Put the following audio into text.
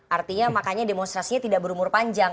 artinya makanya demonstrasinya tidak berumur panjang